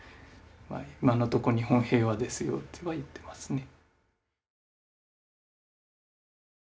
今のとこ日本平和ですよとは言ってますね。